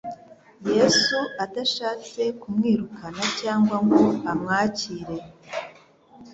Yesu adashatse kumwirukana cyangwa ngo amwakire